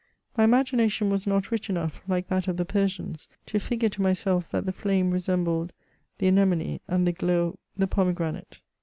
My imagination was not rich enough, like that of the Persians, to figure to myself that the flame resembled the anemony, and the glow the pomegranate.